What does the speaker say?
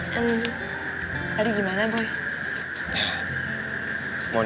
ha nah dia podcast nya itu wrestle music